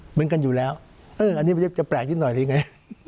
เหมือนกันอยู่แล้วอันนี้มันจะแปลกนิดหน่อยหรือไง